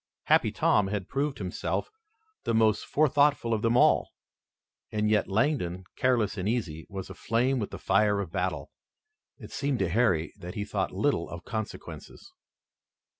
Happy Tom had proved himself the most forethoughtful of them all. And yet Langdon, careless and easy, was aflame with the fire of battle. It seemed to Harry that he thought little of consequences.